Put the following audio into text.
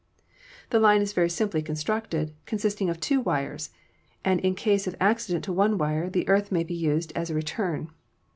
The line is very simply constructed, consisting of two wires, and in case of accident to one wire the earth may be used as a return.